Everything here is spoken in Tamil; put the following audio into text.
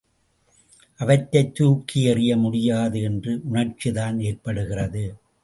அவற்றைத் தூக்கி எறிய முடியாது என்ற உணர்ச்சிதான் ஏற்படுகிறது.